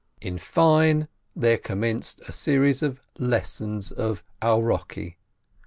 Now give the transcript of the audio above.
In fine, there commenced a series of "lessons," of ourokki.